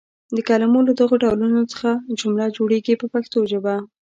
د کلمو له دغو ډولونو څخه جمله جوړیږي په پښتو ژبه.